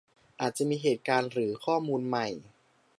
อาจจะมีเหตุการณ์หรือข้อมูลใหม่